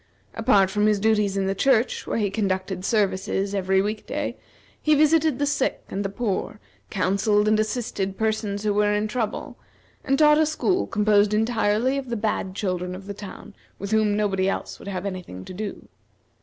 Apart from his duties in the church, where he conducted services every week day, he visited the sick and the poor, counselled and assisted persons who were in trouble, and taught a school composed entirely of the bad children in the town with whom nobody else would have any thing to do.